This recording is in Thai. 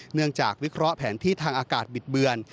วิเคราะห์แผนที่ทางอากาศบิดเบือน